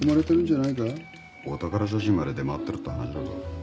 お宝写真まで出回ってるって話だぞ。